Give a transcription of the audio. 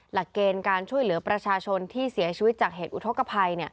หลักเกณฑ์การช่วยเหลือประชาชนที่เสียชีวิตจากเหตุอุทธกภัย